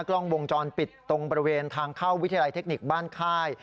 กล้องวงจรปิดตรงบริเวณทางเข้าวิทยาลัยเทคนิคบ้านค่าย